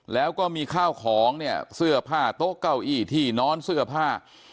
แล้วก็มีข้าวของเนี่ยเสื้อผ้าโต๊ะเก้าอี้ที่นอนเสื้อผ้า